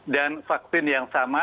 dan vaksin yang sama